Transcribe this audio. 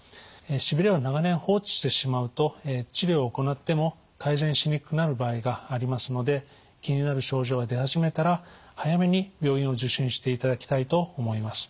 しびれを長年放置してしまうと治療を行っても改善しにくくなる場合がありますので気になる症状が出始めたら早めに病院を受診していただきたいと思います。